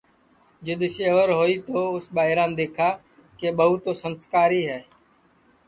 جِدؔ سیور ہوئی تو اُس ٻائران دؔیکھا کہ ٻوان سنٚسکاری ہے